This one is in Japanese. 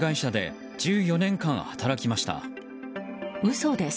嘘です。